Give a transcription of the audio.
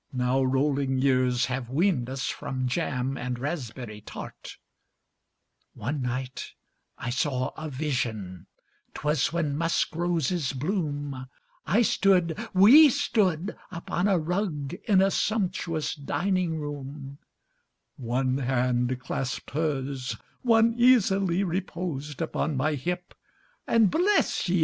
ŌĆö Now rolling years have weaned us from jam and raspberry tart:ŌĆö One night I saw a visionŌĆöŌĆÖTwas when musk roses bloom I stoodŌĆö_we_ stoodŌĆöupon a rug, in a sumptuous dining room: One hand clasped hersŌĆöone easily reposed upon my hipŌĆö And ŌĆ£BLESS YE!